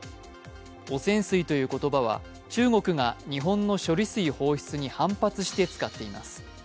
汚染水という言葉は、中国が日本の処理水放出に反発して使っています。